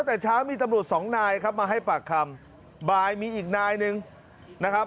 แต่เช้ามีตำรวจสองนายครับมาให้ปากคำบ่ายมีอีกนายหนึ่งนะครับ